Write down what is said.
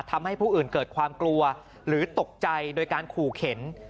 ทำให้ผู้อื่นเกิดความกลัวหรือตกใจโดยการขู่เข็น